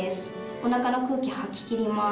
お腹の空気吐き切ります。